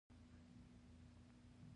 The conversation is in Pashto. لومړی پر خپل ځان باندې کلک ایمان ولرئ